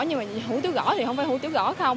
nhưng mà hủ tiế gõ thì không phải hủ tiếu gõ không